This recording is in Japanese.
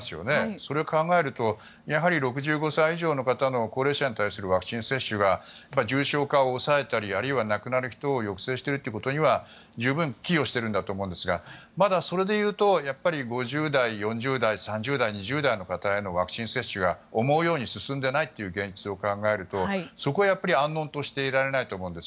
それを考えるとやはり６５歳以上の方の高齢者に対するワクチン接種が重症化を抑えたりあるいは亡くなる人を抑制していることには十分寄与していると思うんですがまだそれで言うとやっぱり５０代、４０代、３０代２０代の方へのワクチン接種が思うように進んでいないという現実を考えるとそこは安穏としていられないと思うんです。